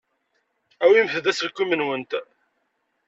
Awimt-d aselkim-nwent.